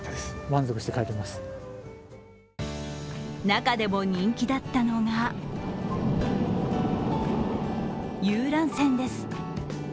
中でも人気だったのが遊覧船です。